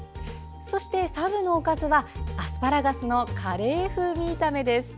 そして、サブのおかずはアスパラガスのカレー風味炒めです。